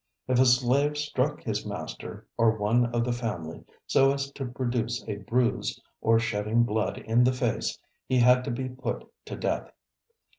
If a slave struck his master or one of the family so as to produce a bruise or shedding blood in the face, he had to be put to death.